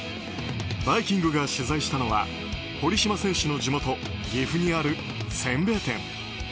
「バイキング」が取材したのは堀島選手の地元、岐阜にあるせんべい店。